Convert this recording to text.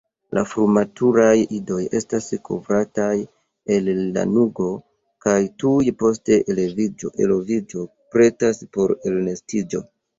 La frumaturaj idoj estas kovrataj el lanugo kaj tuj post eloviĝo pretas por elnestiĝo.